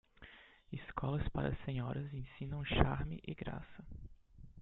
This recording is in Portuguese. Escolas para senhoras ensinam charme e graça.